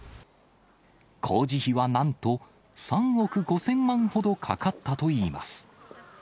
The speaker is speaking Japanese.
工事費はなんと３億５０００万ほどかかったといいます。